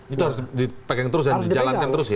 itu harus dipakai terus harus dijalankan terus